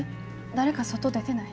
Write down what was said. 誰か外出てない？